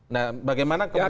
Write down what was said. nah bagaimana kemudian menjawab